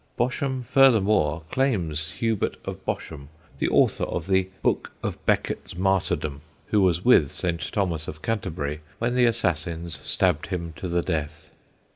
Bosham furthermore claims Hubert of Bosham, the author of the Book of Becket's Martyrdom, who was with Saint Thomas of Canterbury when the assassins stabbed him to the death.